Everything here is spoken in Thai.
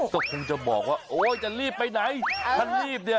ตกท้องจะบอกว่าโอ๊ยจะรีบไปไหน